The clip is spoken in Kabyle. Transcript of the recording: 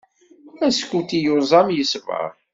Askuti yuẓam, yesber.